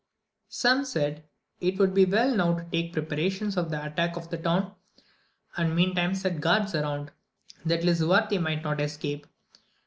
Some said, it would be well now to make preparations for the attack of the town, and mean time set guards around, that Lisuarte might not escape.